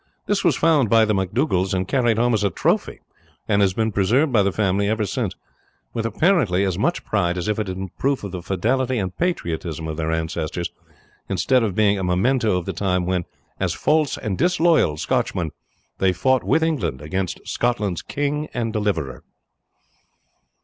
This was found by the MacDougalls and carried home as a trophy, and has been preserved by the family ever since, with apparently as much pride as if it had been proof of the fidelity and patriotism of their ancestors, instead of being a memento of the time when, as false and disloyal Scotchmen, they fought with England against Scotland's king and deliverer.